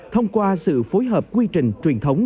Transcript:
thông qua sự phối hợp quy trình truyền thống